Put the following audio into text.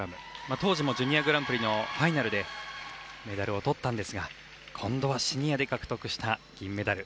当時もジュニアグランプリのファイナルでメダルを取ったんですが今度はシニアで獲得したメダル。